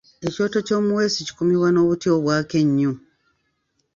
Ekyoto ky’omuweesi kikumibwa n’obuti obwaka ennyo.